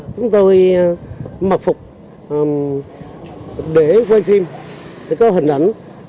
chúng tôi mật phục để quay phim để có hình ảnh